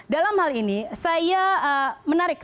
dalam hal ini saya menarik